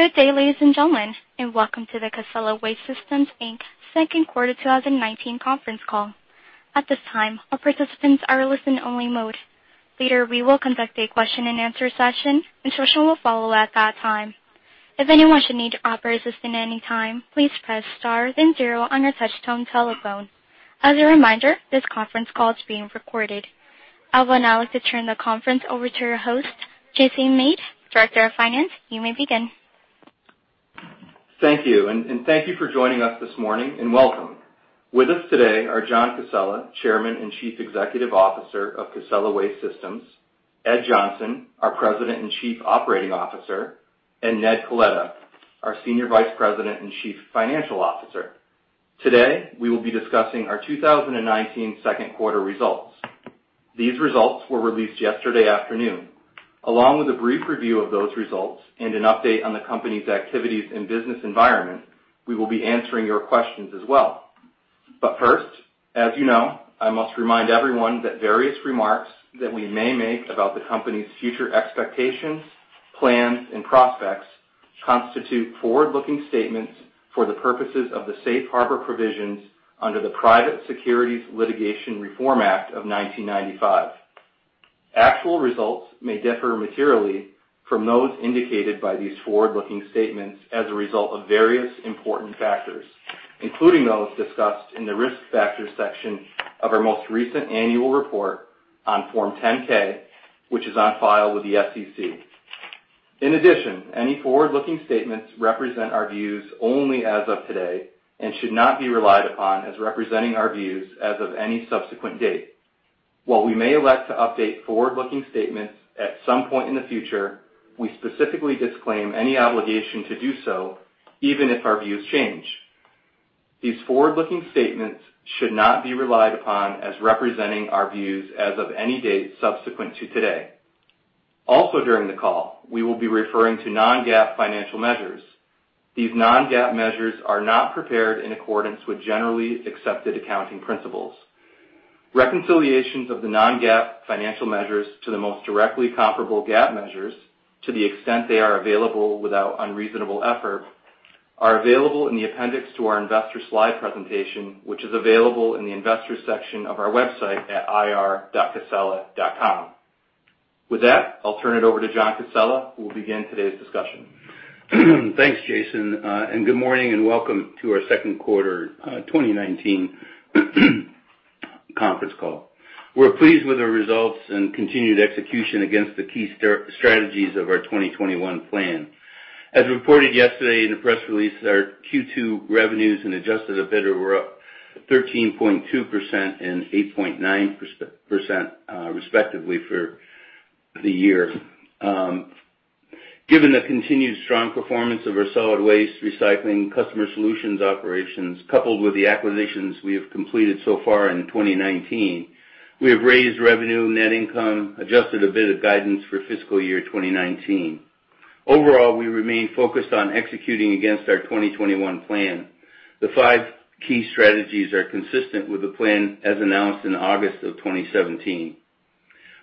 Good day, ladies and gentlemen, and welcome to the Casella Waste Systems, Inc. second quarter 2019 conference call. At this time, all participants are in listen only mode. Later, we will conduct a question and answer session. Instructions will follow at that time. If anyone should need operator assistance at any time, please press star then zero on your touch-tone telephone. As a reminder, this conference call is being recorded. I would now like to turn the conference over to your host, Jason Mead, Vice President of Finance. You may begin. Thank you. Thank you for joining us this morning, and welcome. With us today are John Casella, Chairman and Chief Executive Officer of Casella Waste Systems, Edwin Johnson, our President and Chief Operating Officer, and Ned Coletta, our Senior Vice President and Chief Financial Officer. Today, we will be discussing our 2019 second quarter results. These results were released yesterday afternoon. Along with a brief review of those results and an update on the company's activities and business environment, we will be answering your questions as well. First, as you know, I must remind everyone that various remarks that we may make about the company's future expectations, plans, and prospects constitute forward-looking statements for the purposes of the safe harbor provisions under the Private Securities Litigation Reform Act of 1995. Actual results may differ materially from those indicated by these forward-looking statements as a result of various important factors, including those discussed in the Risk Factors section of our most recent annual report on Form 10-K, which is on file with the SEC. In addition, any forward-looking statements represent our views only as of today and should not be relied upon as representing our views as of any subsequent date. While we may elect to update forward-looking statements at some point in the future, we specifically disclaim any obligation to do so, even if our views change. These forward-looking statements should not be relied upon as representing our views as of any date subsequent to today. Also during the call, we will be referring to non-GAAP financial measures. These non-GAAP measures are not prepared in accordance with generally accepted accounting principles. Reconciliations of the non-GAAP financial measures to the most directly comparable GAAP measures, to the extent they are available without unreasonable effort, are available in the appendix to our investor slide presentation, which is available in the Investors section of our website at ir.casella.com. With that, I'll turn it over to John Casella, who will begin today's discussion. Thanks, Jason. Good morning and welcome to our second quarter 2019 conference call. We're pleased with our results and continued execution against the key strategies of our 2021 Plan. As reported yesterday in the press release, our Q2 revenues and adjusted EBITDA were up 13.2% and 8.9%, respectively, for the year. Given the continued strong performance of our solid waste recycling customer solutions operations, coupled with the acquisitions we have completed so far in 2019, we have raised revenue, net income, adjusted EBITDA guidance for fiscal year 2019. Overall, we remain focused on executing against our 2021 Plan. The five key strategies are consistent with the Plan as announced in August of 2017,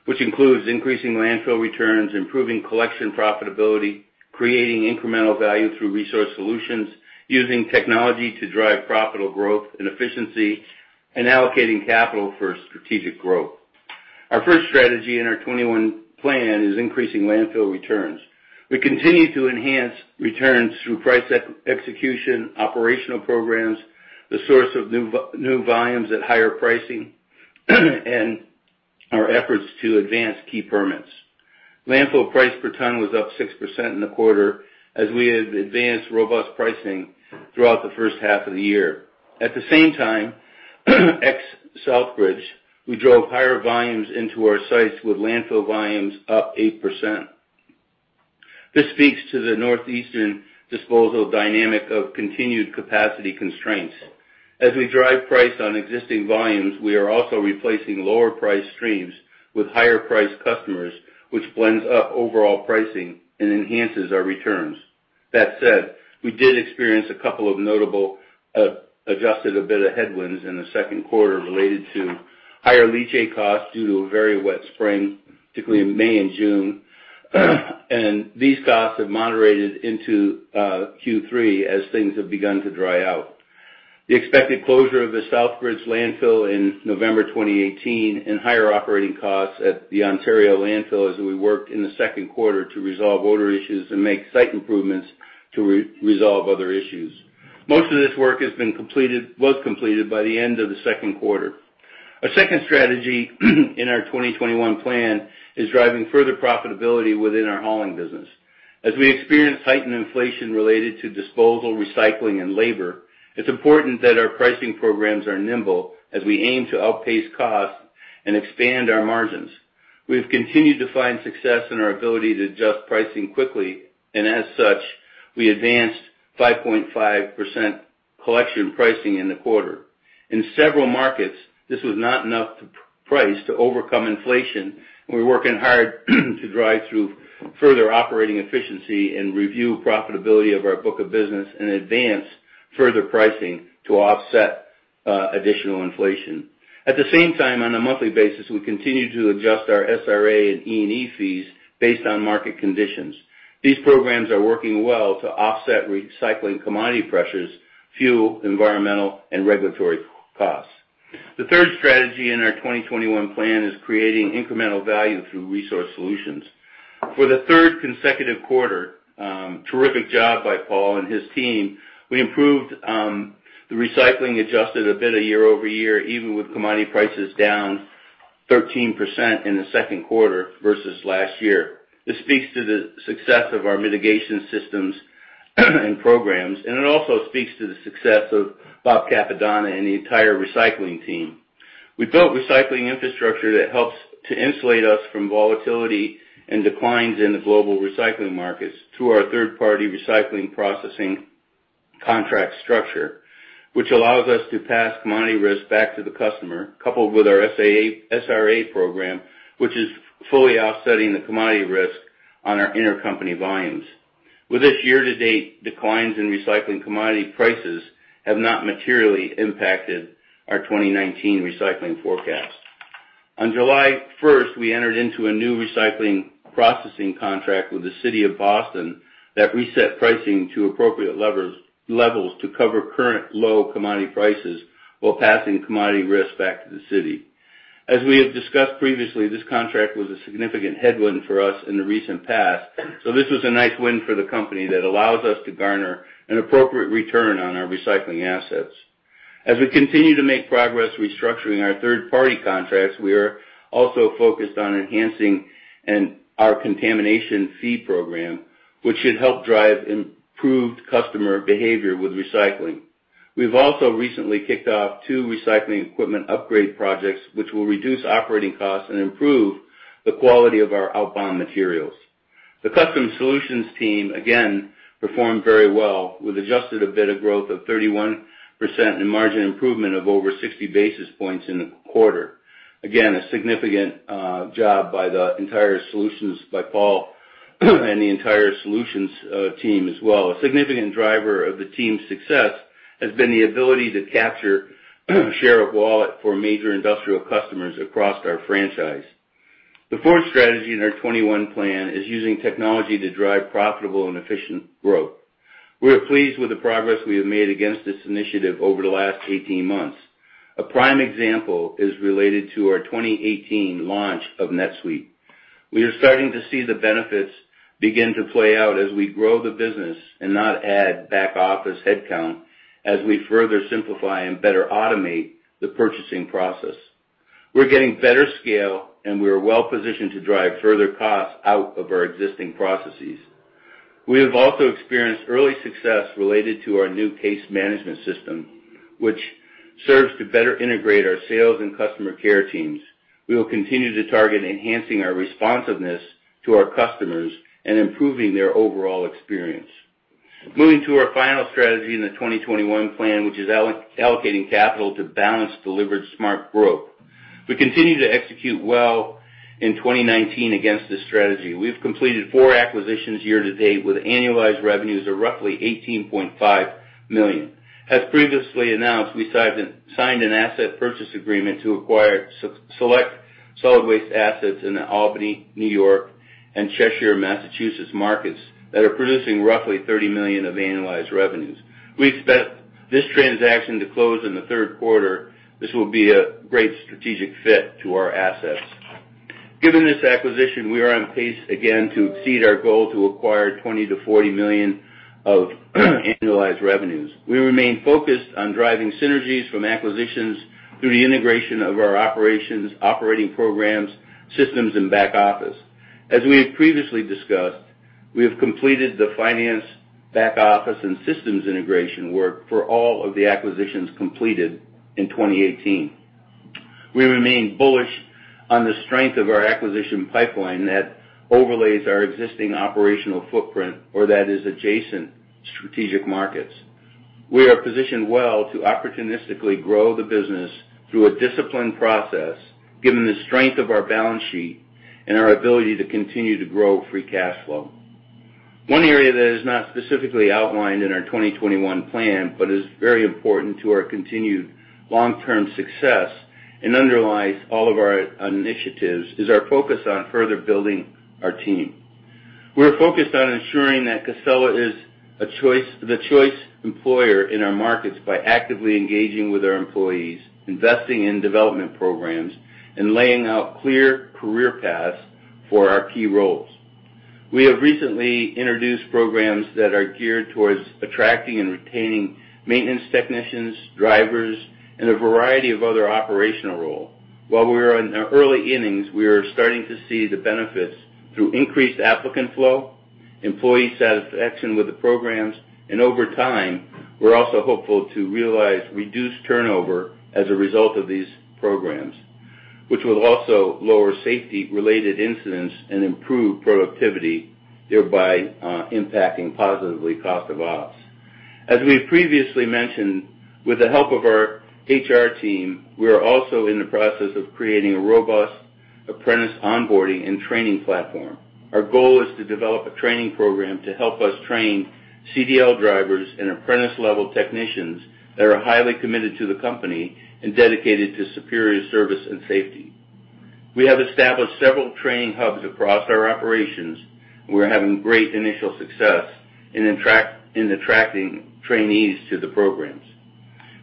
which includes increasing landfill returns, improving collection profitability, creating incremental value through resource solutions, using technology to drive profitable growth and efficiency, and allocating capital for strategic growth. Our first strategy in our 2021 Plan is increasing landfill returns. We continue to enhance returns through price execution, operational programs, the source of new volumes at higher pricing, and our efforts to advance key permits. Landfill price per ton was up 6% in the quarter as we had advanced robust pricing throughout the first half of the year. At the same time, ex Southbridge, we drove higher volumes into our sites with landfill volumes up 8%. This speaks to the northeastern disposal dynamic of continued capacity constraints. As we drive price on existing volumes, we are also replacing lower-priced streams with higher-priced customers, which blends up overall pricing and enhances our returns. That said, we did experience a couple of notable adjusted EBITDA headwinds in the second quarter related to higher leachate costs due to a very wet spring, particularly in May and June. These costs have moderated into Q3 as things have begun to dry out. The expected closure of the Southbridge Landfill in November 2018 and higher operating costs at the Ontario landfill as we worked in the second quarter to resolve odor issues and make site improvements to resolve other issues. Most of this work was completed by the end of the second quarter. Our second strategy in our 2021 Plan is driving further profitability within our hauling business. We experience heightened inflation related to disposal, recycling, and labor, it's important that our pricing programs are nimble as we aim to outpace costs and expand our margins. We've continued to find success in our ability to adjust pricing quickly, and as such, we advanced 5.5% collection pricing in the quarter. In several markets, this was not enough price to overcome inflation, and we're working hard to drive through further operating efficiency and review profitability of our book of business and advance further pricing to offset additional inflation. At the same time, on a monthly basis, we continue to adjust our SRA and E&E fees based on market conditions. These programs are working well to offset recycling commodity pressures, fuel, environmental, and regulatory costs. The third strategy in our 2021 Plan is creating incremental value through resource solutions. For the third consecutive quarter, terrific job by Paul and his team. We improved the recycling adjusted EBITDA year-over-year, even with commodity prices down 13% in the second quarter versus last year. This speaks to the success of our mitigation systems and programs, and it also speaks to the success of Bob Cappadona and the entire recycling team. We built recycling infrastructure that helps to insulate us from volatility and declines in the global recycling markets through our third-party recycling processing contract structure, which allows us to pass commodity risk back to the customer, coupled with our SRA program, which is fully offsetting the commodity risk on our intercompany volumes. With this year-to-date, declines in recycling commodity prices have not materially impacted our 2019 recycling forecast. On July 1st, we entered into a new recycling processing contract with the city of Boston that reset pricing to appropriate levels to cover current low commodity prices while passing commodity risk back to the city. As we have discussed previously, this contract was a significant headwind for us in the recent past. This was a nice win for the company that allows us to garner an appropriate return on our recycling assets. As we continue to make progress restructuring our third-party contracts, we are also focused on enhancing our contamination fee program, which should help drive improved customer behavior with recycling. We've also recently kicked off two recycling equipment upgrade projects, which will reduce operating costs and improve the quality of our outbound materials. The Custom Solutions team, again, performed very well with adjusted EBITDA growth of 31% and margin improvement of over 60 basis points in the quarter. Again, a significant job by Paul and the entire Solutions team as well. A significant driver of the team's success has been the ability to capture share of wallet for major industrial customers across our franchise. The fourth strategy in our '21 Plan is using technology to drive profitable and efficient growth. We are pleased with the progress we have made against this initiative over the last 18 months. A prime example is related to our 2018 launch of NetSuite. We are starting to see the benefits begin to play out as we grow the business and not add back office headcount as we further simplify and better automate the purchasing process. We're getting better scale, and we are well-positioned to drive further costs out of our existing processes. We have also experienced early success related to our new case management system, which serves to better integrate our sales and customer care teams. We will continue to target enhancing our responsiveness to our customers and improving their overall experience. Moving to our final strategy in the 2021 Plan, which is allocating capital to balance delivered smart growth. We continue to execute well in 2019 against this strategy. We've completed four acquisitions year to date with annualized revenues of roughly $18.5 million. As previously announced, we signed an asset purchase agreement to acquire select solid waste assets in the Albany, New York, and Cheshire, Massachusetts markets that are producing roughly $30 million of annualized revenues. We expect this transaction to close in the third quarter. This will be a great strategic fit to our assets. Given this acquisition, we are on pace again to exceed our goal to acquire $20 million-$40 million of annualized revenues. We remain focused on driving synergies from acquisitions through the integration of our operations, operating programs, systems, and back office. As we have previously discussed, we have completed the finance back-office and systems integration work for all of the acquisitions completed in 2018. We remain bullish on the strength of our acquisition pipeline that overlays our existing operational footprint or that is adjacent strategic markets. We are positioned well to opportunistically grow the business through a disciplined process, given the strength of our balance sheet and our ability to continue to grow free cash flow. One area that is not specifically outlined in our 2021 Plan, but is very important to our continued long-term success and underlies all of our initiatives, is our focus on further building our team. We are focused on ensuring that Casella is the choice employer in our markets by actively engaging with our employees, investing in development programs, and laying out clear career paths for our key roles. We have recently introduced programs that are geared towards attracting and retaining maintenance technicians, drivers, and a variety of other operational role. While we are in the early innings, we are starting to see the benefits through increased applicant flow, employee satisfaction with the programs, and over time, we're also hopeful to realize reduced turnover as a result of these programs, which will also lower safety-related incidents and improve productivity, thereby impacting positively cost of ops. As we've previously mentioned, with the help of our HR team, we are also in the process of creating a robust apprentice onboarding and training platform. Our goal is to develop a training program to help us train CDL drivers and apprentice-level technicians that are highly committed to the company and dedicated to superior service and safety. We have established several training hubs across our operations, and we're having great initial success in attracting trainees to the programs.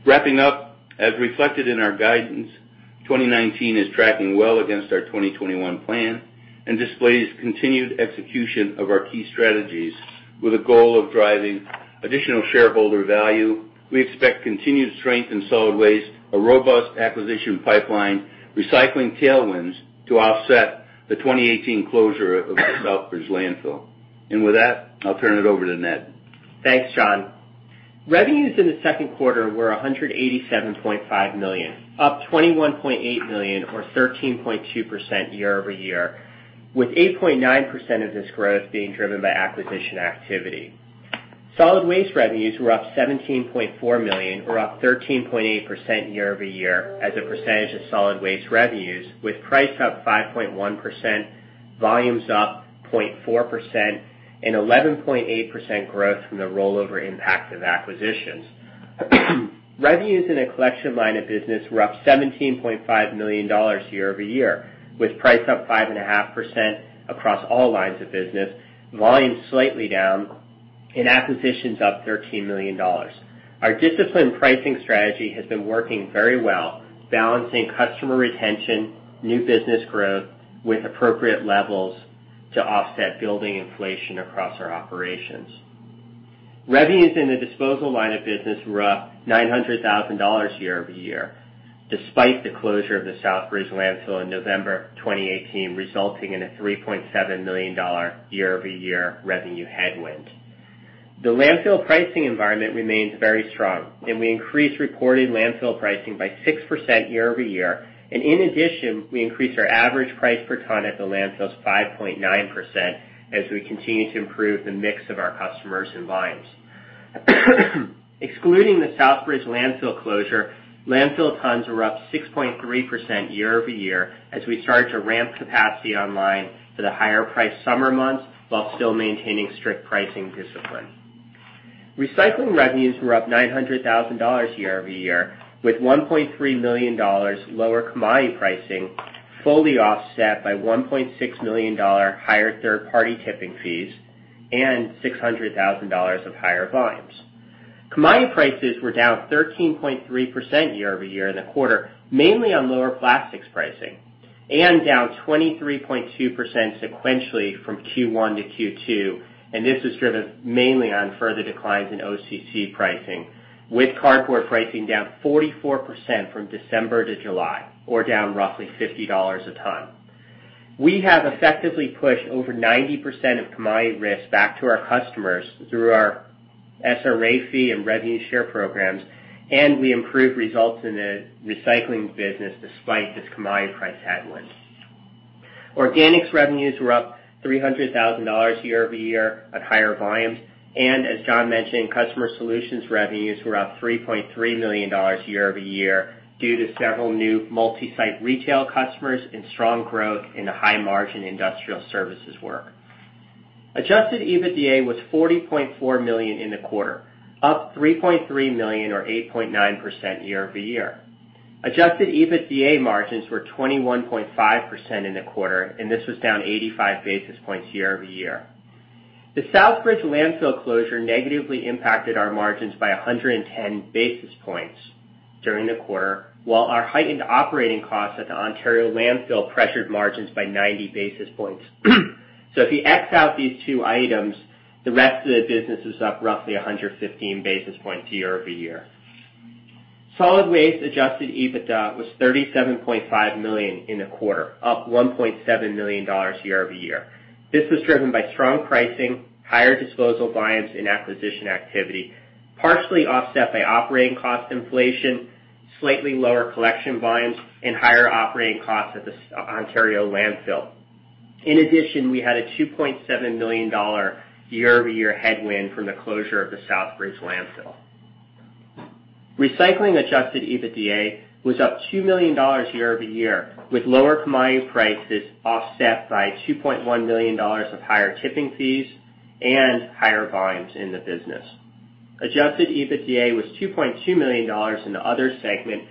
Wrapping up, as reflected in our guidance, 2019 is tracking well against our 2021 Plan and displays continued execution of our key strategies with a goal of driving additional shareholder value. We expect continued strength in solid waste, a robust acquisition pipeline, recycling tailwinds to offset the 2018 closure of the Southbridge Landfill. With that, I'll turn it over to Ned. Thanks, John. Revenues in the second quarter were $187.5 million, up $21.8 million or 13.2% year-over-year, with 8.9% of this growth being driven by acquisition activity. Solid waste revenues were up $17.4 million, or up 13.8% year-over-year as a percentage of solid waste revenues, with price up 5.1%, volumes up 0.4%, and 11.8% growth from the rollover impact of acquisitions. Revenues in the collection line of business were up $17.5 million year-over-year, with price up 5.5% across all lines of business, volumes slightly down, and acquisitions up $13 million. Our disciplined pricing strategy has been working very well, balancing customer retention, new business growth with appropriate levels to offset building inflation across our operations. Revenues in the disposal line of business were up $900,000 year-over-year, despite the closure of the Southbridge Landfill in November 2018, resulting in a $3.7 million year-over-year revenue headwind. The landfill pricing environment remains very strong. We increased reported landfill pricing by 6% year-over-year. In addition, we increased our average price per ton at the landfills 5.9% as we continue to improve the mix of our customers and volumes. Excluding the Southbridge Landfill closure, landfill tons were up 6.3% year-over-year as we started to ramp capacity online for the higher-priced summer months while still maintaining strict pricing discipline. Recycling revenues were up $900,000 year-over-year, with $1.3 million lower commodity pricing fully offset by $1.6 million higher third-party tipping fees and $600,000 of higher volumes. Commodity prices were down 13.3% year-over-year in the quarter, mainly on lower plastics pricing, and down 23.2% sequentially from Q1 to Q2. This was driven mainly on further declines in OCC pricing, with cardboard pricing down 44% from December to July or down roughly $50 a ton. We have effectively pushed over 90% of commodity risk back to our customers through our SRA fee and revenue share programs, and we improved results in the recycling business despite this commodity price headwind. Organics revenues were up $300,000 year-over-year on higher volumes. As John mentioned, customer solutions revenues were up $3.3 million year-over-year due to several new multi-site retail customers and strong growth in the high-margin industrial services work. Adjusted EBITDA was $40.4 million in the quarter, up $3.3 million or 8.9% year-over-year. Adjusted EBITDA margins were 21.5% in the quarter. This was down 85 basis points year-over-year. The Southbridge Landfill closure negatively impacted our margins by 110 basis points during the quarter, while our heightened operating costs at the Ontario Landfill pressured margins by 90 basis points. If you x out these two items, the rest of the business is up roughly 115 basis points year-over-year. Solid waste adjusted EBITDA was $37.5 million in the quarter, up $1.7 million year-over-year. This was driven by strong pricing, higher disposal volumes, and acquisition activity, partially offset by operating cost inflation, slightly lower collection volumes, and higher operating costs at the Ontario Landfill. In addition, we had a $2.7 million year-over-year headwind from the closure of the Southbridge Landfill. Recycling adjusted EBITDA was up $2 million year-over-year, with lower commodity prices offset by $2.1 million of higher tipping fees and higher volumes in the business. Adjusted EBITDA was $2.2 million in the other segment,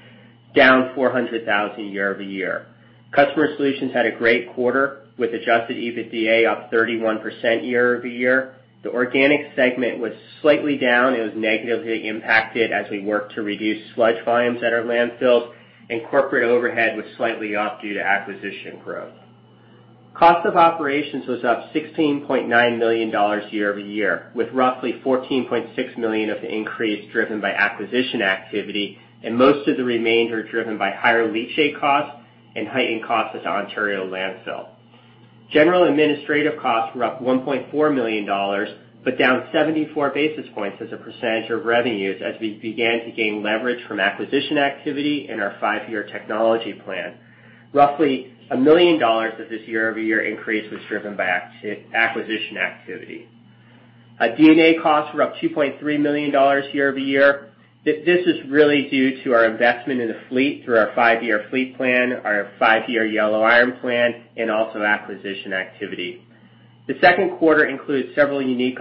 down $400,000 year-over-year. Customer Solutions had a great quarter, with adjusted EBITDA up 31% year-over-year. The Organics segment was slightly down. It was negatively impacted as we worked to reduce sludge volumes at our landfills, and Corporate Overhead was slightly off due to acquisition growth. Cost of operations was up $16.9 million year-over-year, with roughly $14.6 million of the increase driven by acquisition activity and most of the remainder driven by higher leachate costs and heightened costs at the Ontario Landfill. General administrative costs were up $1.4 million, but down 74 basis points as a percentage of revenues as we began to gain leverage from acquisition activity and our five-year technology plan. Roughly $1 million of this year-over-year increase was driven by acquisition activity. D&A costs were up $2.3 million year-over-year. This is really due to our investment in the fleet through our five-year fleet plan, our five-year yellow iron plan, and also acquisition activity. The second quarter includes several unique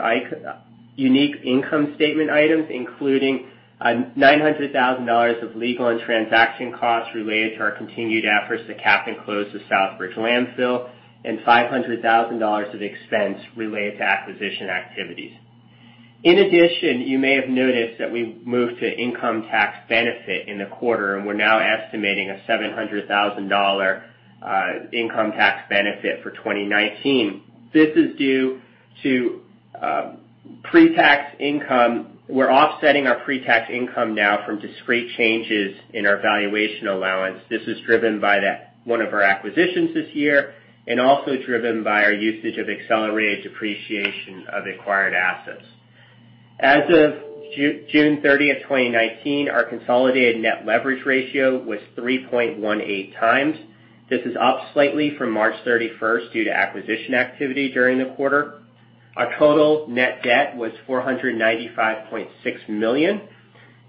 income statement items, including $900,000 of legal and transaction costs related to our continued efforts to cap and close the Southbridge Landfill and $500,000 of expense related to acquisition activities. In addition, you may have noticed that we moved to income tax benefit in the quarter, and we're now estimating a $700,000 income tax benefit for 2019. This is due to pretax income. We're offsetting our pretax income now from discrete changes in our valuation allowance. This is driven by one of our acquisitions this year, and also driven by our usage of accelerated depreciation of acquired assets. As of June 30th, 2019, our consolidated net leverage ratio was 3.18 times. This is up slightly from March 31st due to acquisition activity during the quarter. Our total net debt was $495.6 million.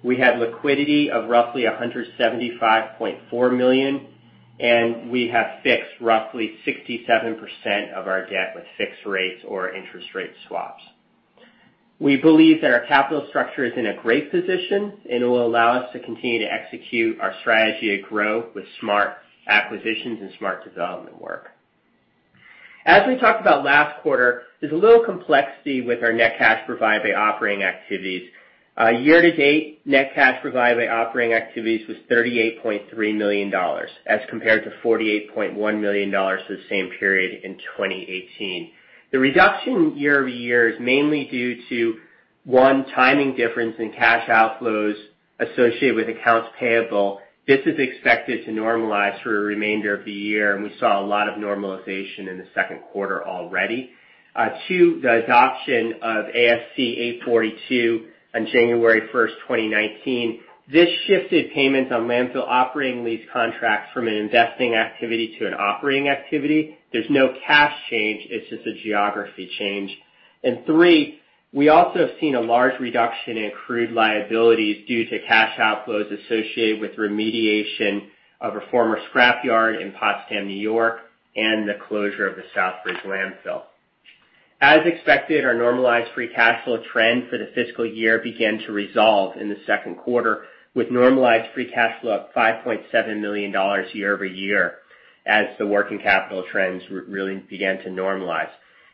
We had liquidity of roughly $175.4 million, and we have fixed roughly 67% of our debt with fixed rates or interest rate swaps. We believe that our capital structure is in a great position, and it will allow us to continue to execute our strategy to grow with smart acquisitions and smart development work. As we talked about last quarter, there's a little complexity with our net cash provided by operating activities. Year-to-date, net cash provided by operating activities was $38.3 million as compared to $48.1 million for the same period in 2018. The reduction year-over-year is mainly due to, one, timing difference in cash outflows associated with accounts payable. This is expected to normalize through the remainder of the year, and we saw a lot of normalization in the second quarter already. Two, the adoption of ASC 842 on January 1st, 2019. This shifted payments on landfill operating lease contracts from an investing activity to an operating activity. There's no cash change, it's just a geography change. Three, we also have seen a large reduction in accrued liabilities due to cash outflows associated with remediation of a former scrap yard in Potsdam, N.Y., and the closure of the Southbridge Landfill. As expected, our normalized free cash flow trend for the fiscal year began to resolve in the second quarter with normalized free cash flow up $5.7 million year-over-year as the working capital trends really began to normalize.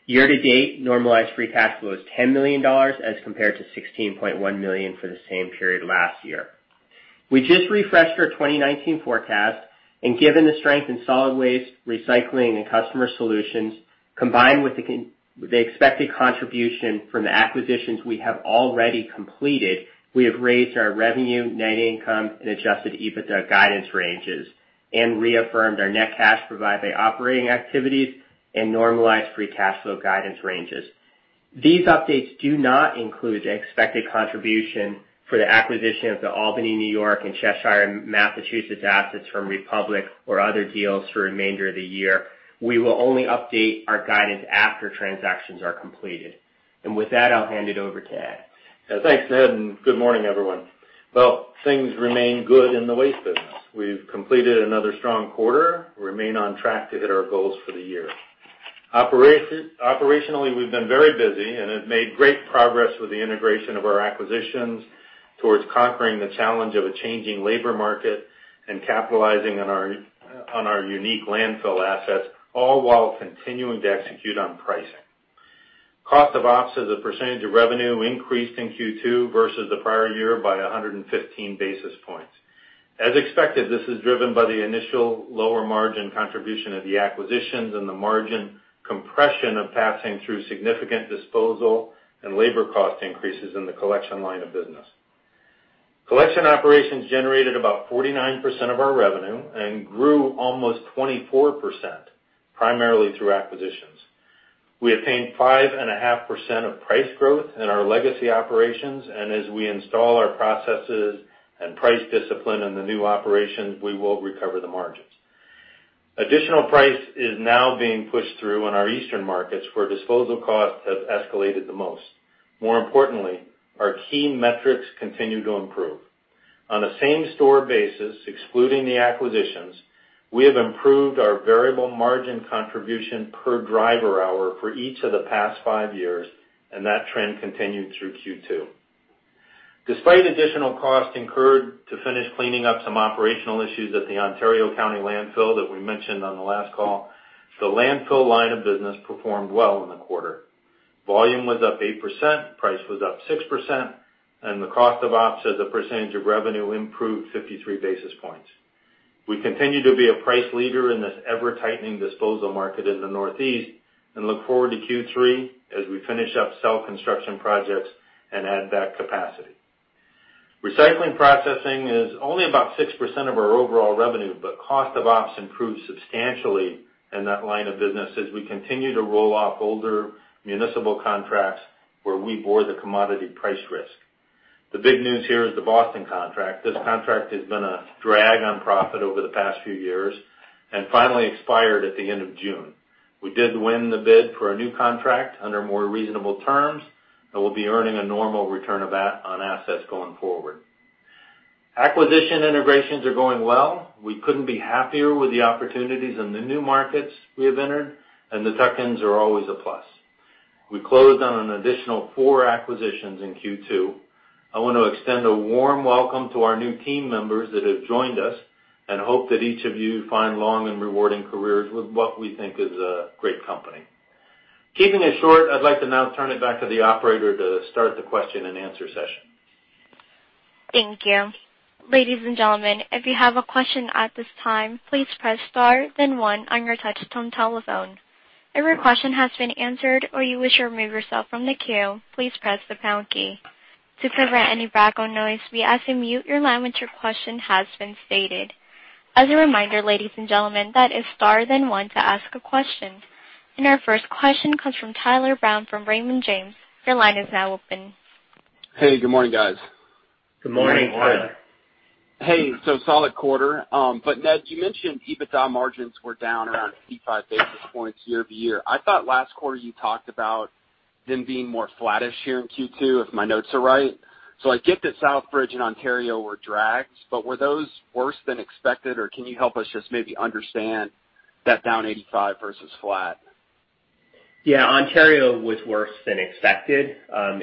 Year-to-date, normalized free cash flow is $10 million as compared to $16.1 million for the same period last year. We just refreshed our 2019 forecast, and given the strength in solid waste, recycling, and customer solutions, combined with the expected contribution from the acquisitions we have already completed, we have raised our revenue, net income, and adjusted EBITDA guidance ranges and reaffirmed our net cash provided by operating activities and normalized free cash flow guidance ranges. These updates do not include the expected contribution for the acquisition of the Albany, N.Y., and Cheshire, Massachusetts assets from Republic or other deals for the remainder of the year. We will only update our guidance after transactions are completed. With that, I'll hand it over to Ed. Thanks, Ed, and good morning, everyone. Well, things remain good in the waste business. We've completed another strong quarter. We remain on track to hit our goals for the year. Operationally, we've been very busy and have made great progress with the integration of our acquisitions towards conquering the challenge of a changing labor market and capitalizing on our unique landfill assets, all while continuing to execute on pricing. Cost of ops as a percentage of revenue increased in Q2 versus the prior year by 115 basis points. As expected, this is driven by the initial lower margin contribution of the acquisitions and the margin compression of passing through significant disposal and labor cost increases in the collection line of business. Collection operations generated about 49% of our revenue and grew almost 24%, primarily through acquisitions. We obtained 5.5% of price growth in our legacy operations, and as we install our processes and price discipline in the new operations, we will recover the margins. Additional price is now being pushed through in our eastern markets, where disposal costs have escalated the most. More importantly, our key metrics continue to improve. On a same-store basis, excluding the acquisitions, we have improved our variable margin contribution per driver hour for each of the past five years, and that trend continued through Q2. Despite additional costs incurred to finish cleaning up some operational issues at the Ontario County Landfill that we mentioned on the last call, the landfill line of business performed well in the quarter. Volume was up 8%, price was up 6%, and the cost of ops as a percentage of revenue improved 53 basis points. We continue to be a price leader in this ever-tightening disposal market in the Northeast and look forward to Q3 as we finish up cell construction projects and add that capacity. Recycling processing is only about 6% of our overall revenue, but cost of ops improved substantially in that line of business as we continue to roll off older municipal contracts where we bore the commodity price risk. The big news here is the Boston contract. This contract has been a drag on profit over the past few years and finally expired at the end of June. We did win the bid for a new contract under more reasonable terms, and we'll be earning a normal return on assets going forward. Acquisition integrations are going well. We couldn't be happier with the opportunities in the new markets we have entered, and the tuck-ins are always a plus. We closed on an additional four acquisitions in Q2. I want to extend a warm welcome to our new team members that have joined us and hope that each of you find long and rewarding careers with what we think is a great company. Keeping it short, I'd like to now turn it back to the operator to start the question and answer session. Thank you. Ladies and gentlemen, if you have a question at this time, please press star then one on your touchtone telephone. If your question has been answered or you wish to remove yourself from the queue, please press the pound key. To prevent any background noise, we ask that you mute your line once your question has been stated. As a reminder, ladies and gentlemen, that is star then one to ask a question. Our first question comes from Tyler Brown, from Raymond James. Your line is now open. Hey, good morning, guys. Good morning. Good morning. Hey, solid quarter. Ned, you mentioned EBITDA margins were down around 85 basis points year-over-year. I thought last quarter you talked about them being more flattish here in Q2, if my notes are right. I get that Southbridge and Ontario were drags, but were those worse than expected, or can you help us just maybe understand that down 85 versus flat? Yeah. Ontario was worse than expected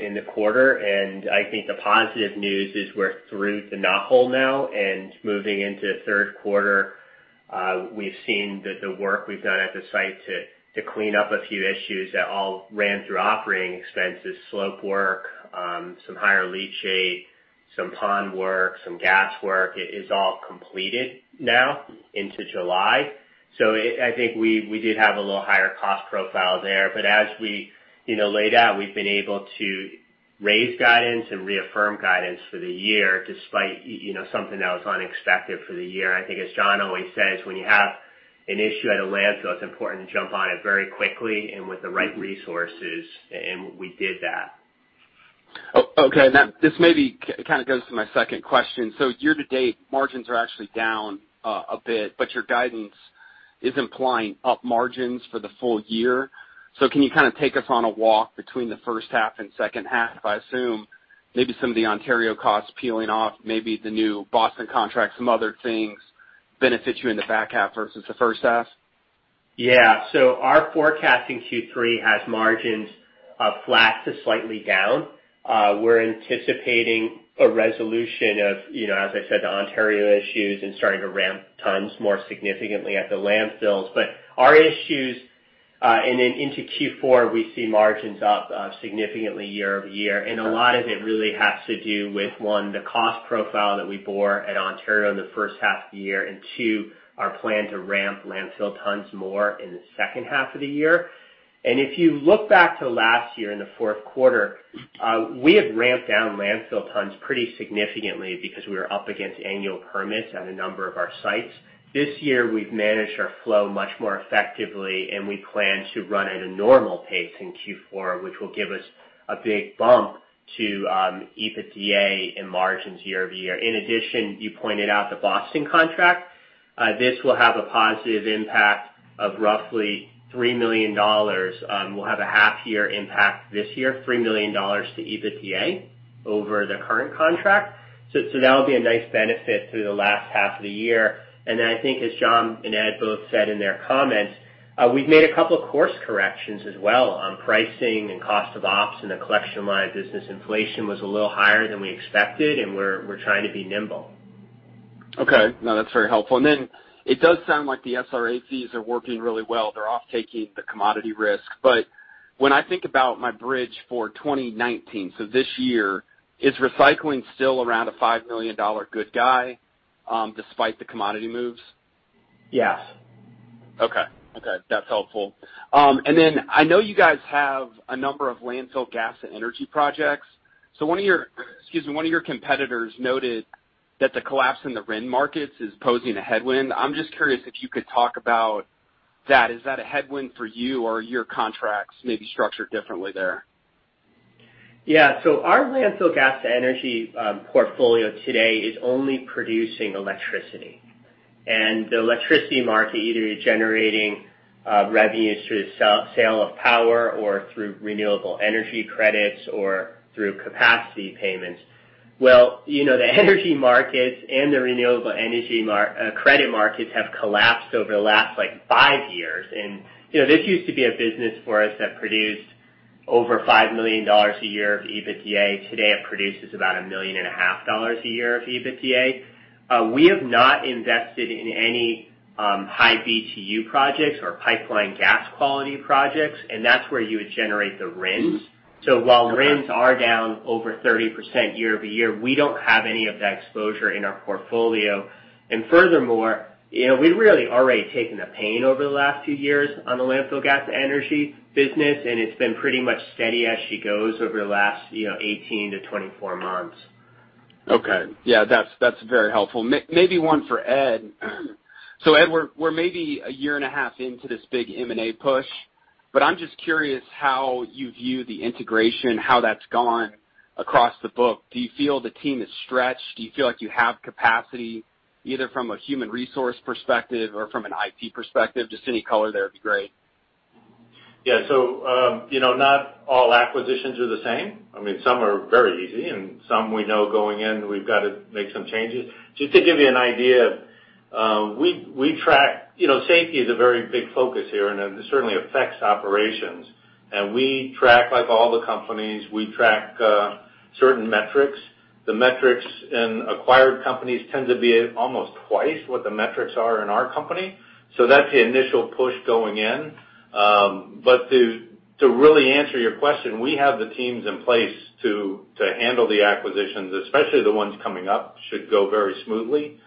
in the quarter, and I think the positive news is we're through the knothole now and moving into the third quarter. We've seen the work we've done at the site to clean up a few issues that all ran through operating expenses, slope work, some higher leachate, some pond work, some gas work. It is all completed now into July. I think we did have a little higher cost profile there. As we laid out, we've been able to raise guidance and reaffirm guidance for the year despite something that was unexpected for the year. I think as John always says, when you have an issue at a landfill, it's important to jump on it very quickly and with the right resources, and we did that. Okay. That, this maybe kind of goes to my second question. Year to date, margins are actually down a bit, but your guidance is implying up margins for the full year. Can you kind of take us on a walk between the first half and second half? I assume maybe some of the Ontario costs peeling off, maybe the new Boston contract, some other things benefit you in the back half versus the first half. Our forecast in Q3 has margins of flat to slightly down. We're anticipating a resolution of, as I said, the Ontario issues and starting to ramp tons more significantly at the landfills. Our issues, into Q4, we see margins up significantly year-over-year. A lot of it really has to do with, one, the cost profile that we bore at Ontario in the first half of the year, and two, our plan to ramp landfill tons more in the second half of the year. If you look back to last year in the fourth quarter, we had ramped down landfill tons pretty significantly because we were up against annual permits at a number of our sites. This year, we've managed our flow much more effectively, and we plan to run at a normal pace in Q4, which will give us a big bump to EBITDA and margins year-over-year. In addition, you pointed out the Boston contract. This will have a positive impact of roughly $3 million. We'll have a half year impact this year, $3 million to EBITDA over the current contract. That'll be a nice benefit through the last half of the year. I think as John and Ed both said in their comments, we've made a couple of course corrections as well on pricing and cost of ops in the collection of my business. Inflation was a little higher than we expected, and we're trying to be nimble. Okay. No, that's very helpful. It does sound like the SRA fees are working really well. They're off taking the commodity risk. When I think about my bridge for 2019, so this year, is recycling still around a $5 million good guy, despite the commodity moves? Yes. Okay. That's helpful. I know you guys have a number of landfill gas to energy projects. One of your, excuse me, one of your competitors noted that the collapse in the RIN markets is posing a headwind. I am just curious if you could talk about that. Is that a headwind for you, or are your contracts maybe structured differently there? Yeah. Our landfill gas to energy portfolio today is only producing electricity. The electricity market either is generating revenues through sale of power or through renewable energy credits or through capacity payments. Well, the energy markets and the renewable energy credit markets have collapsed over the last 5 years. This used to be a business for us that produced over $5 million a year of EBITDA. Today, it produces about $1.5 million a year of EBITDA. We have not invested in any high BTU projects or pipeline gas quality projects, and that's where you would generate the RINs. While RINs are down over 30% year-over-year, we don't have any of that exposure in our portfolio. Furthermore, we've really already taken a pain over the last two years on the landfill gas energy business, and it's been pretty much steady as she goes over the last 18 to 24 months. Okay. Yeah, that's very helpful. Maybe one for Ed. Ed, we're maybe a year and a half into this big M&A push, but I'm just curious how you view the integration, how that's gone across the book. Do you feel the team is stretched? Do you feel like you have capacity either from a human resource perspective or from an IT perspective? Just any color there would be great. Not all acquisitions are the same. I mean, some are very easy and some we know going in, we've got to make some changes. Just to give you an idea, safety is a very big focus here, and it certainly affects operations. We track, like all the companies, we track certain metrics. The metrics in acquired companies tend to be almost twice what the metrics are in our company. That's the initial push going in. To really answer your question, we have the teams in place to handle the acquisitions, especially the ones coming up, should go very smoothly.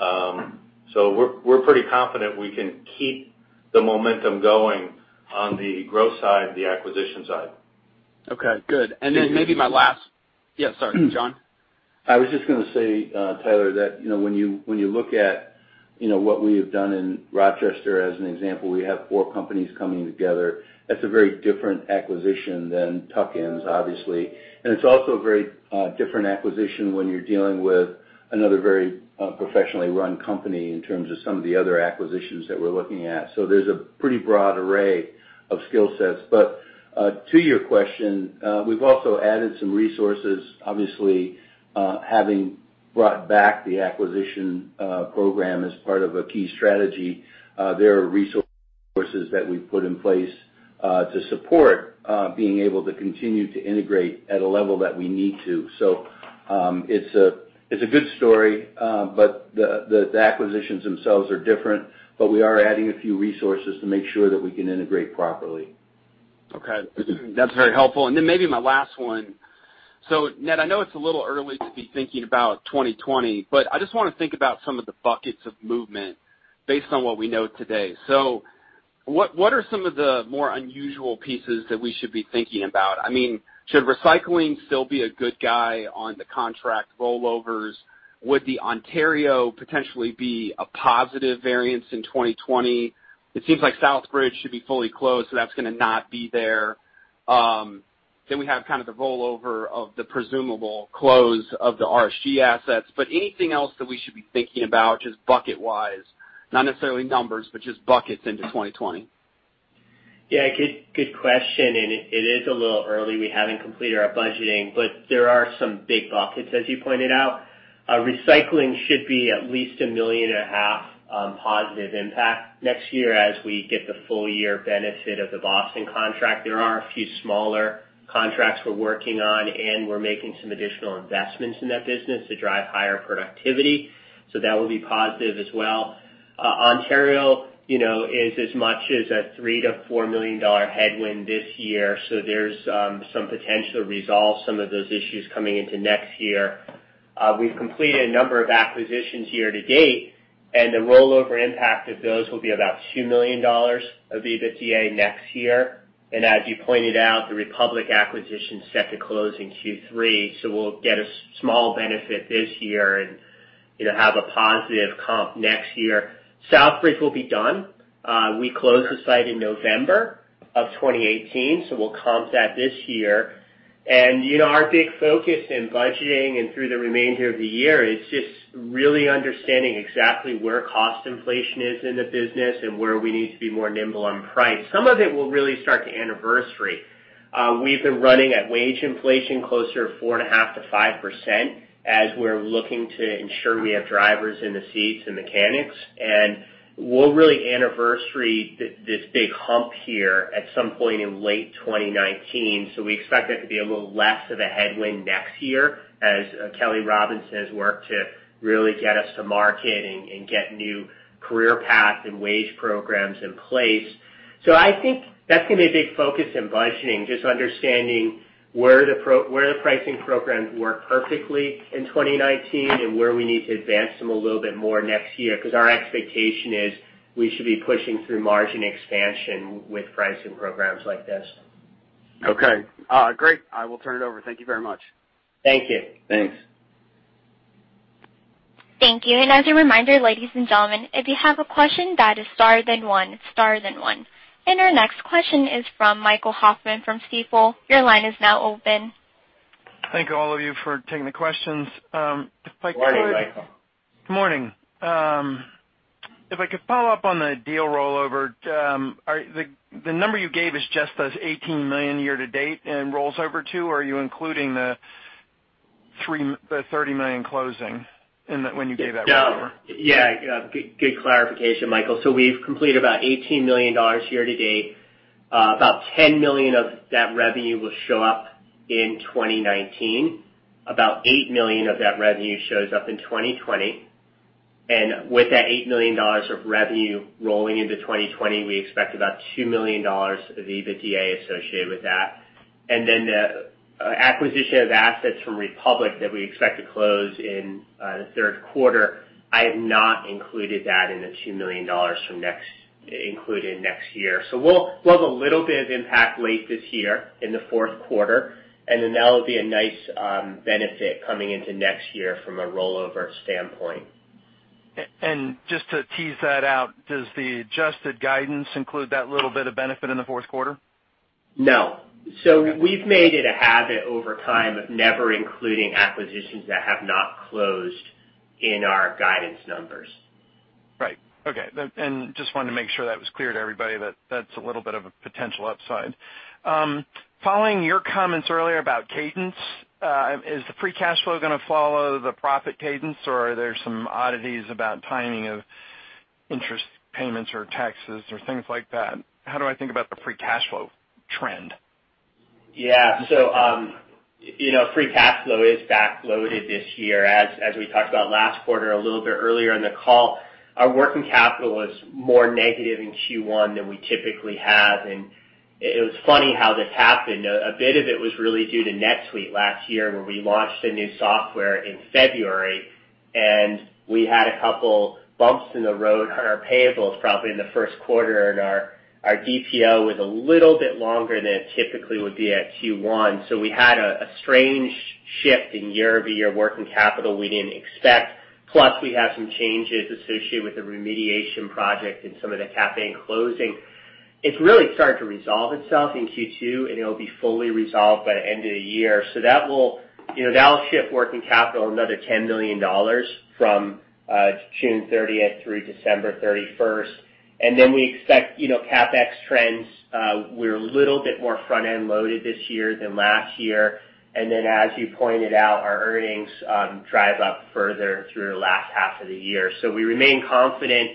We're pretty confident we can keep the momentum going on the growth side, the acquisition side. Okay, good. Yeah, sorry, John? I was just going to say, Tyler, that when you look at what we have done in Rochester as an example, we have four companies coming together. That's a very different acquisition than tuck-ins, obviously. It's also a very different acquisition when you're dealing with another very professionally run company in terms of some of the other acquisitions that we're looking at. There's a pretty broad array of skill sets. To your question, we've also added some resources, obviously, having brought back the acquisition program as part of a key strategy. There are resources that we've put in place to support being able to continue to integrate at a level that we need to. It's a good story, but the acquisitions themselves are different, but we are adding a few resources to make sure that we can integrate properly. Okay. That's very helpful. Maybe my last one. Ned, I know it's a little early to be thinking about 2020, but I just want to think about some of the buckets of movement based on what we know today. What are some of the more unusual pieces that we should be thinking about? I mean, should recycling still be a good guy on the contract rollovers? Would the Ontario potentially be a positive variance in 2020? It seems like Southbridge should be fully closed, so that's going to not be there. We have kind of the rollover of the presumable close of the RSG assets. Anything else that we should be thinking about, just bucket wise, not necessarily numbers, but just buckets into 2020? Yeah, good question. It is a little early. We haven't completed our budgeting, but there are some big buckets, as you pointed out. Recycling should be at least a $1.5 million positive impact next year as we get the full year benefit of the Boston contract. There are a few smaller contracts we're working on, and we're making some additional investments in that business to drive higher productivity. That will be positive as well. Ontario is as much as a $3 million-$4 million headwind this year. There's some potential to resolve some of those issues coming into next year. We've completed a number of acquisitions year to date, and the rollover impact of those will be about $2 million of EBITDA next year. As you pointed out, the Republic Services acquisition is set to close in Q3, so we'll get a small benefit this year and have a positive comp next year. Southbridge Landfill will be done. We close the site in November of 2018, so we'll comp that this year. Our big focus in budgeting and through the remainder of the year is just really understanding exactly where cost inflation is in the business and where we need to be more nimble on price. Some of it will really start to anniversary. We've been running at wage inflation closer to 4.5%-5% as we're looking to ensure we have drivers in the seats and mechanics. We'll really anniversary this big hump here at some point in late 2019. We expect that to be a little less of a headwind next year as Kelley Robinson has worked to really get us to market and get new career paths and wage programs in place. I think that's going to be a big focus in budgeting, just understanding where the pricing programs work perfectly in 2019 and where we need to advance them a little bit more next year, because our expectation is we should be pushing through margin expansion with pricing programs like this. Okay. Great. I will turn it over. Thank you very much. Thank you. Thanks. Thank you. As a reminder, ladies and gentlemen, if you have a question, dial to star then one. Star then one. Our next question is from Michael Hoffman from Stifel. Your line is now open. Thank all of you for taking the questions. Morning, Michael. Morning. If I could follow up on the deal rollover. The number you gave is just those $18 million year to date and rolls over to, or are you including the $30 million closing when you gave that number? Yeah. Good clarification, Michael. We've completed about $18 million year-to-date. About $10 million of that revenue will show up in 2019. About $8 million of that revenue shows up in 2020. With that $8 million of revenue rolling into 2020, we expect about $2 million of EBITDA associated with that. The acquisition of assets from Republic that we expect to close in the third quarter, I have not included that in the $2 million included next year. We'll have a little bit of impact late this year in the fourth quarter, and then that'll be a nice benefit coming into next year from a rollover standpoint. Just to tease that out, does the adjusted guidance include that little bit of benefit in the fourth quarter? No. We've made it a habit over time of never including acquisitions that have not closed in our guidance numbers. Right. Okay. Just wanted to make sure that was clear to everybody that that's a little bit of a potential upside. Following your comments earlier about cadence, is the free cash flow going to follow the profit cadence, or are there some oddities about timing of interest payments or taxes or things like that? How do I think about the free cash flow trend? Yeah. Free cash flow is back-loaded this year. As we talked about last quarter a little bit earlier in the call, our working capital was more negative in Q1 than we typically have, and it was funny how this happened. A bit of it was really due to NetSuite last year, where we launched a new software in February, and we had a couple bumps in the road on our payables, probably in the first quarter, and our DPO was a little bit longer than it typically would be at Q1. We had a strange shift in year-over-year working capital we didn't expect. Plus, we had some changes associated with the remediation project and some of the CapEx closing. It's really starting to resolve itself in Q2, and it'll be fully resolved by the end of the year. That will shift working capital another $10 million from June 30th through December 31st. Then we expect CapEx trends, we're a little bit more front-end loaded this year than last year. Then, as you pointed out, our earnings drive up further through the last half of the year. We remain confident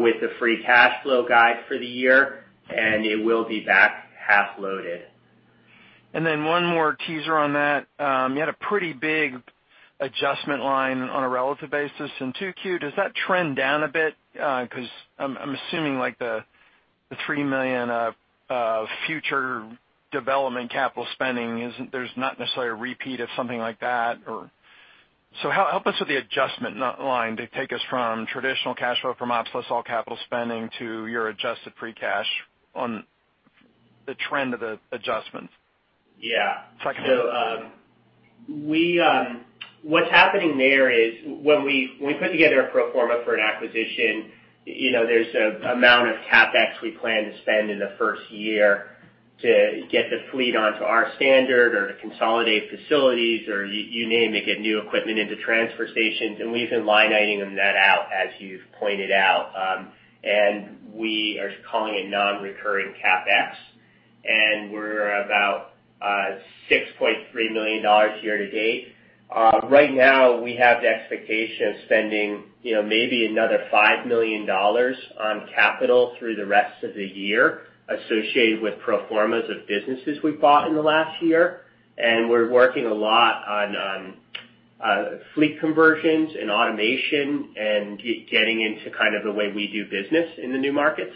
with the free cash flow guide for the year, and it will be back half-loaded. One more teaser on that. You had a pretty big adjustment line on a relative basis in Q2. Does that trend down a bit? I'm assuming like the $3 million of future development capital spending, there's not necessarily a repeat of something like that or help us with the adjustment line to take us from traditional cash flow from ops plus all capital spending to your adjusted free cash on the trend of the adjustments. Yeah. Second one. What's happening there is when we put together a pro forma for an acquisition, there's an amount of CapEx we plan to spend in the first year to get the fleet onto our standard or to consolidate facilities or you name it, get new equipment into transfer stations. We've been line iteming that out, as you've pointed out. We are calling it non-recurring CapEx, and we're about $6.3 million year to date. Right now, we have the expectation of spending maybe another $5 million on capital through the rest of the year associated with pro formas of businesses we've bought in the last year. We're working a lot on fleet conversions and automation and getting into kind of the way we do business in the new markets.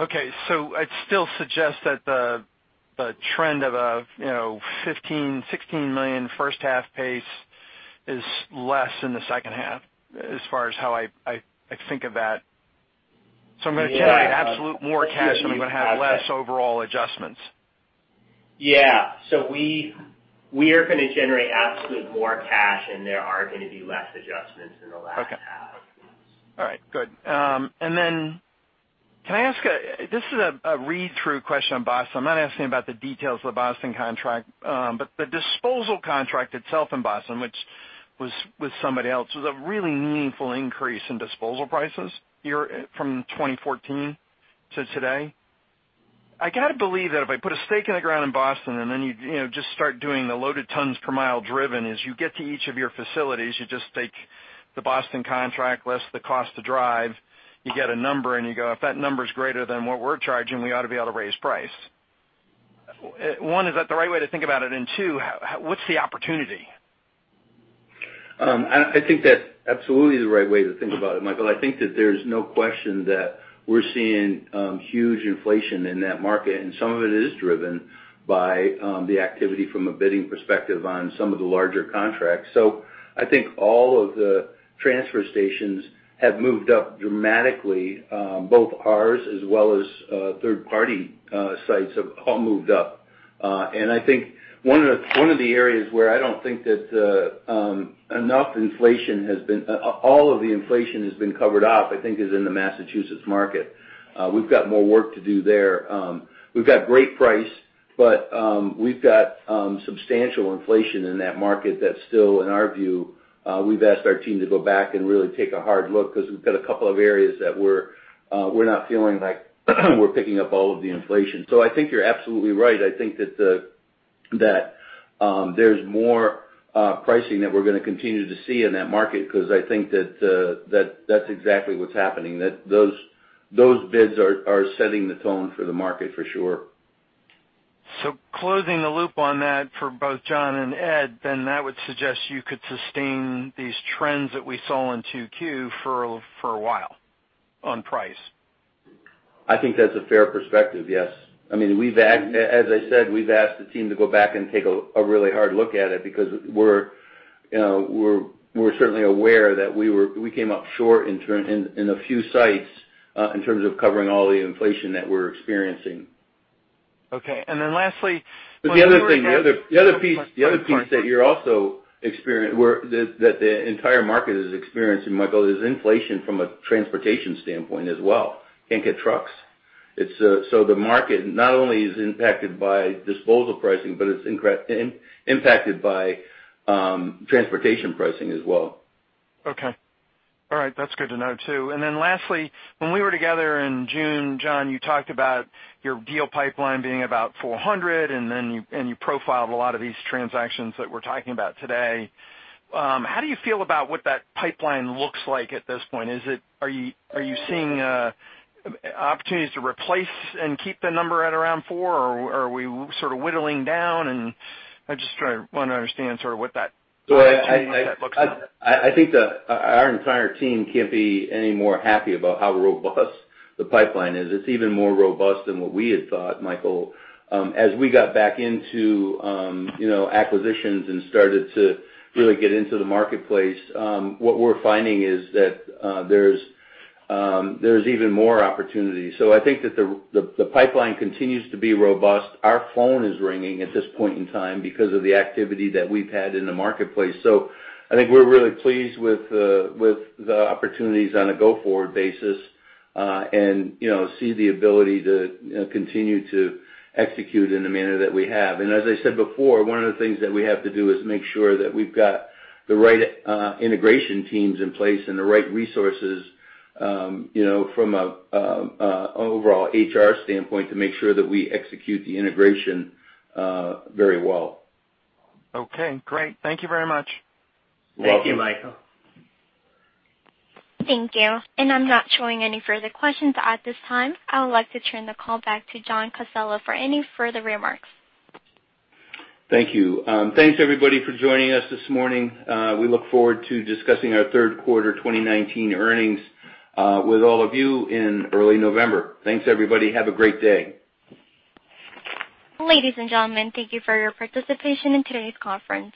Okay. I'd still suggest that the trend of $15 million-$16 million first half pace is less in the second half, as far as how I think of that. I'm going to generate absolute more cash, and I'm going to have less overall adjustments. Yeah. We are going to generate absolute more cash, and there are going to be less adjustments in the last half. Okay. All right, good. Can I ask, this is a read-through question on Boston. I am not asking about the details of the Boston contract. The disposal contract itself in Boston, which was with somebody else, was a really meaningful increase in disposal prices from 2014 to today. I got to believe that if I put a stake in the ground in Boston, then you just start doing the loaded tons per mile driven, as you get to each of your facilities, you just take the Boston contract less the cost to drive, you get a number, you go, "If that number is greater than what we are charging, we ought to be able to raise price." One, is that the right way to think about it? Two, what is the opportunity? I think that's absolutely the right way to think about it, Michael. I think that there's no question that we're seeing huge inflation in that market, and some of it is driven by the activity from a bidding perspective on some of the larger contracts. I think all of the transfer stations have moved up dramatically, both ours as well as third-party sites, have all moved up. I think one of the areas where I don't think that all of the inflation has been covered up, I think, is in the Massachusetts market. We've got more work to do there. We've got great price, but we've got substantial inflation in that market that's still, in our view. We've asked our team to go back and really take a hard look because we've got a couple of areas that we're not feeling like we're picking up all of the inflation. I think you're absolutely right. I think that there's more pricing that we're going to continue to see in that market because I think that's exactly what's happening, that those bids are setting the tone for the market for sure. Closing the loop on that for both John and Ed, that would suggest you could sustain these trends that we saw in Q2 for a while on price. I think that's a fair perspective, yes. As I said, we've asked the team to go back and take a really hard look at it because we're certainly aware that we came up short in a few sites in terms of covering all the inflation that we're experiencing Okay. Lastly. The other thing, the other piece that you're also that the entire market is experiencing, Michael, is inflation from a transportation standpoint as well. Can't get trucks. The market not only is impacted by disposal pricing, but it's impacted by transportation pricing as well. Okay. All right. That's good to know too. Lastly, when we were together in June, John, you talked about your deal pipeline being about 400, and you profiled a lot of these transactions that we're talking about today. How do you feel about what that pipeline looks like at this point? Are you seeing opportunities to replace and keep the number at around four, or are we sort of whittling down? I just want to understand sort of what that looks like. I think that our entire team can't be any more happy about how robust the pipeline is. It's even more robust than what we had thought, Michael. As we got back into acquisitions and started to really get into the marketplace, what we're finding is that there's even more opportunity. I think that the pipeline continues to be robust. Our phone is ringing at this point in time because of the activity that we've had in the marketplace. I think we're really pleased with the opportunities on a go-forward basis, and see the ability to continue to execute in the manner that we have. As I said before, one of the things that we have to do is make sure that we've got the right integration teams in place and the right resources from an overall HR standpoint to make sure that we execute the integration very well. Okay, great. Thank you very much. You're welcome. Thank you, Michael. Thank you. I'm not showing any further questions at this time. I would like to turn the call back to John Casella for any further remarks. Thank you. Thanks everybody for joining us this morning. We look forward to discussing our third quarter 2019 earnings with all of you in early November. Thanks, everybody. Have a great day. Ladies and gentlemen, thank you for your participation in today's conference.